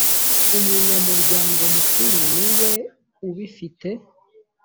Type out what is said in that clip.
umunyamuryango mukru niwe ubifite.